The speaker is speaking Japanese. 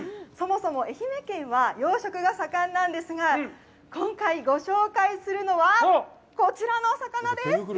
そもそも愛媛県は養殖が盛んなんですが、今回、ご紹介するのはこちらのお魚です。